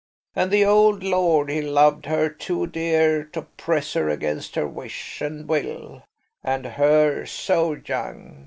And the old lord he loved her too dear to press her against her wish and will, and her so young.